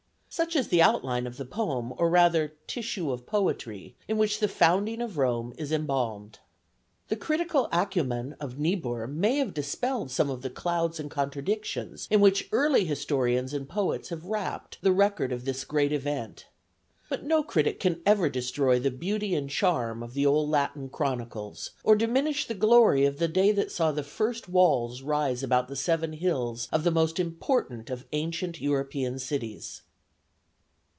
Such is the outline of the poem, or rather tissue of poetry in which the founding of Rome is embalmed. The critical acumen of Niebuhr may have dispelled some of the clouds and contradictions in which early historians and poets have wrapped the record of this great event. But no critic can ever destroy the beauty and charm of the old Latin chronicles or diminish the glory of the day that saw the first walls rise about the seven hills of the most important of ancient European cities.